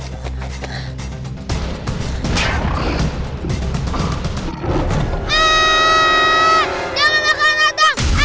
dam dam itu apaan dam